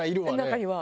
中には。